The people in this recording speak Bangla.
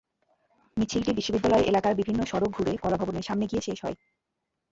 মিছিলটি বিশ্ববিদ্যালয় এলাকার বিভিন্ন সড়ক ঘুরে কলাভবনের সামনে গিয়ে শেষ হয়।